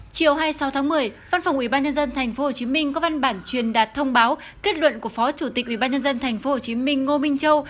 chiều hai mươi sáu tháng một mươi văn phòng ubnd tp hcm có văn bản truyền đạt thông báo kết luận của phó chủ tịch ubnd tp hcm ngô minh châu